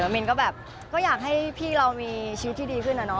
มินต้องรักให้พี่เรามีชีวิตที่ดีขึ้นน่ะ